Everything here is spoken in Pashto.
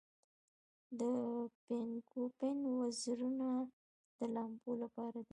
د پینګوین وزرونه د لامبو لپاره دي